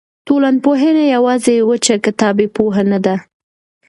ټولنپوهنه یوازې وچه کتابي پوهه نه ده.